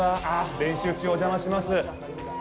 あぁ、練習中、お邪魔します。